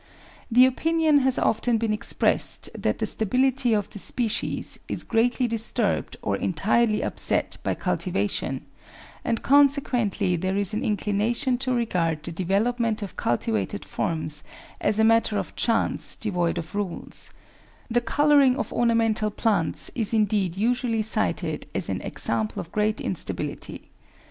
The opinion has often been ex pressed that the stability of the species is greatly disturbed or entirely upset by cultivation, and consequently there is an inclina tion to regard the development of cultivated forms as a matter of chance devoid of rules; the colouring of ornamental plants is indeed usually cited as an example of great instability.